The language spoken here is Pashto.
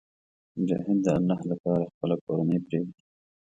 مجاهد د الله لپاره خپله کورنۍ پرېږدي.